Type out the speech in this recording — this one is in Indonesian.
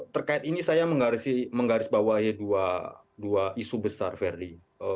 terkait ini saya menggarisbawahi dua isu besar verdi